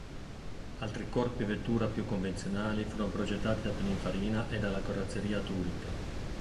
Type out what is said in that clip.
Altri corpi vettura più convenzionali furono progettati da Pininfarina e dalla Carrozzeria Touring.